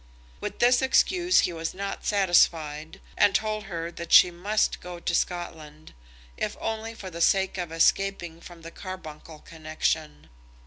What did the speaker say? With this excuse he was not satisfied, and told her that she must go to Scotland, if only for the sake of escaping from the Carbuncle connexion.